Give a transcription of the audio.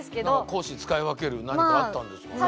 公私使い分ける何かあったんですかね。